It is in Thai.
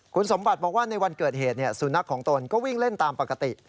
คุณสมบัติบอกว่าในวันเกิดเหตุสุนัขของตนก็วิ่งเล่นตามปกติ